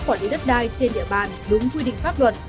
quản lý đất đai trên địa bàn đúng quy định pháp luật